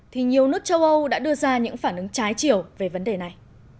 thì nhiều nước châu âu đã đưa ra những phản ứng trái chiều về vấn đề này